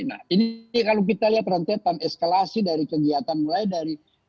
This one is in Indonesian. nah ini kalau kita lihat rentetan eskalasi dari kegiatan mulai dari